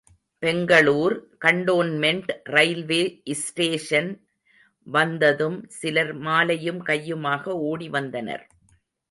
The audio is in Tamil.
பெங்களுர் கண்டோன்மென்ட் ரயில்வே ஸ்டேசன் வந்ததும் சிலர் மாலையும் கையுமாக ஓடிவந்தனர்.